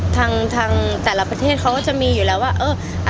ทางแต่ละประเทศเขาก็จะมีอยู่แล้วว่าเออ